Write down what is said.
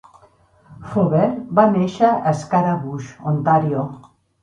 Faubert va néixer a Scarborough, Ontàrio.